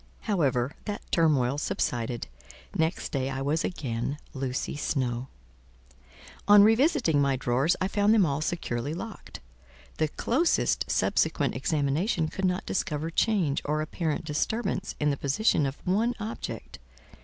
However, that turmoil subsided: next day I was again Lucy Snowe. On revisiting my drawers, I found them all securely locked; the closest subsequent examination could not discover change or apparent disturbance in the position of one object.